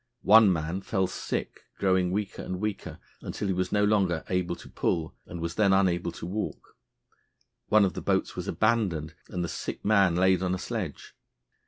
One man fell sick, growing weaker and weaker until he was no longer able to pull, and then was unable to walk. One of the boats was abandoned, and the sick man laid on a sledge.